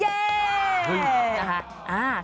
เย่